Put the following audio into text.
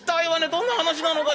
どんな話なのかしら」。